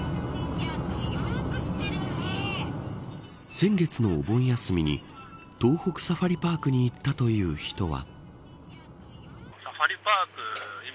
先月のお盆休みに東北サファリパークに行ったという人は。